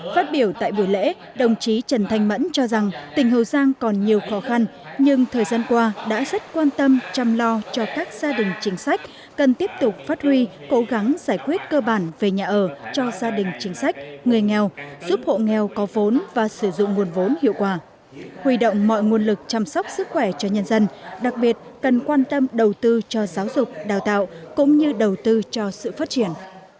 phát biểu tại buổi lễ đồng chí trần thanh mẫn cho rằng tỉnh hậu giang còn nhiều khó khăn nhưng thời gian qua đã rất quan tâm chăm lo cho các gia đình chính sách cần tiếp tục phát huy cố gắng giải quyết cơ bản về nhà ở cho gia đình chính sách người nghèo giúp hộ nghèo có vốn và sử dụng nguồn vốn hiệu quả huy động mọi nguồn lực chăm sóc sức khỏe cho nhân dân đặc biệt cần quan tâm đầu tư cho giáo dục đào tạo cũng như đầu tư cho sự phát triển